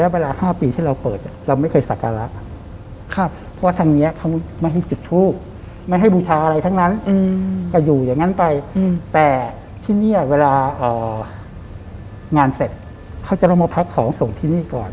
เวลางานเสร็จเค้าจะต้องมาพักของส่งที่นี่ก่อน